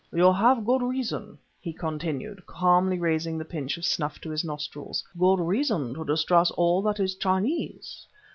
"You have good reason," he continued, calmly raising the pinch of snuff to his nostrils, "good reason to distrust all that is Chinese.